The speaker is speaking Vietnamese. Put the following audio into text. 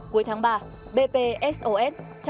cuối tháng ba bpsos